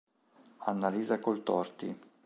Annalisa Coltorti